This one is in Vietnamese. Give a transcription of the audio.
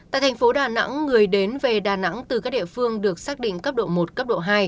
tại thành phố đà nẵng người đến về đà nẵng từ các địa phương được xác định cấp độ một cấp độ hai